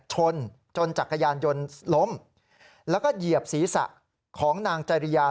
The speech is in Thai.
ชนจนจักรยานยนต์ล้มแล้วก็เหยียบศีรษะของนางจริยา